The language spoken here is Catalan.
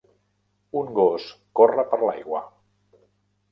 Un gos corre per l'aigua.